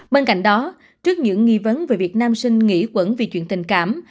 bên cạnh đó trước những nghi vấn về việt nam sinh nghĩa quẩn vì chuyện tình cảm